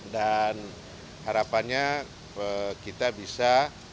dan harapannya kita bisa